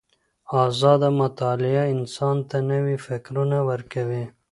ازاده مطالعه انسان ته نوي فکرونه ورکوي.